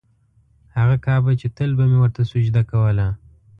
هغه کعبه چې تل به مې ورته سجده کوله.